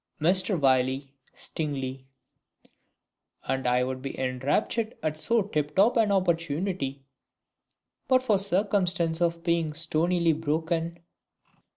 Mr Wylie (stingily). And I would be enraptured at so tip top an opportunity, but for circumstance of being stonily broken.